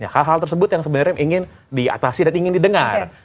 hal hal tersebut yang sebenarnya ingin diatasi dan ingin didengar